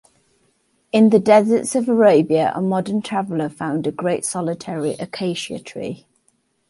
In the deserts of Arabia a modern traveller found a great solitary acacia-tree.